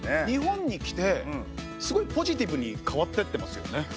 日本に来てすごいポジティブに変わってってますよね。